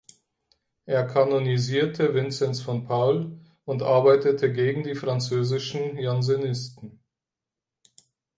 Er kanonisierte Vinzenz von Paul und arbeitete gegen die französischen Jansenisten.